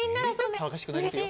騒がしくなりますよ。